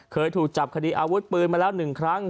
เคยถูกจับคดีอาวุธปืนมาแล้ว๑ครั้ง